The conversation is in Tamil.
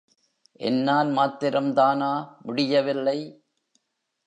என்னால் மாத்திரந்தானா முடியவில்லை.